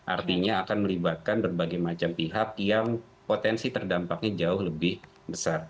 artinya akan melibatkan berbagai macam pihak yang potensi terdampaknya jauh lebih besar